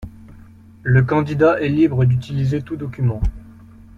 Le candidat est libre d'utiliser tous documents.